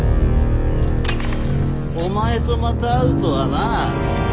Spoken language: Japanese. お前とまた会うとはな。